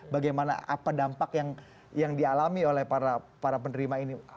bagaimana apa dampak yang dialami oleh para penerima ini